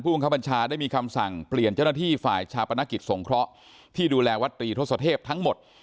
บังคับบัญชาได้มีคำสั่งเปลี่ยนเจ้าหน้าที่ฝ่ายชาปนกิจสงเคราะห์ที่ดูแลวัดตรีทศเทพทั้งหมด